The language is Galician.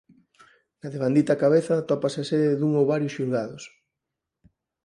Na devandita cabeza atópase a sede dun ou varios xulgados.